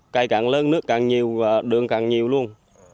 cây càng lớn nước càng nhiều và đường càng nhiều luôn